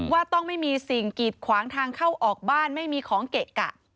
ว่าต้องไม่มีสิ่งกีดขวางทางเข้าออกบ้านไม่มีของเกะกะ